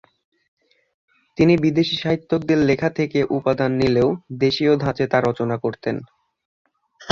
তিনি বিদেশি সাহিত্যিকদের লেখা থেকে উপাদান নিলেও দেশীয় ধাঁচে তা রচনা করতেন।